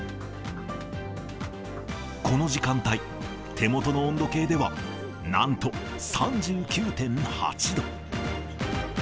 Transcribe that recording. この時間帯、手元の温度計ではなんと３９．８度。